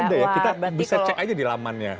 ada ya kita bisa cek aja di lamannya